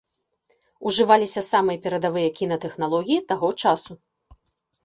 Ужываліся самыя перадавыя кінатэхналогіі таго часу.